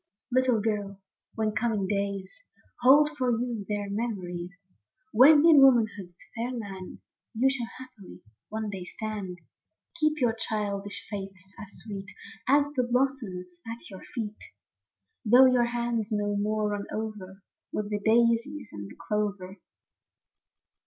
Little girl, when coming days Hold for you their memories ; When in womanhood's fair land You shall, haply, one day stand, — Keep your childish faiths as sweet As the blossoms at your feet ; Though your hands no more run over With the daisies and the clover.